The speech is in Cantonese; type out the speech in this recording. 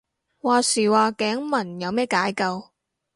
話時話頸紋有咩解救